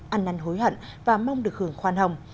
ăn năn hối hận và mong được hưởng khoan hồng